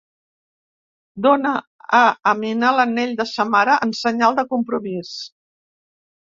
Dóna a Amina l'anell de sa mare en senyal de compromís.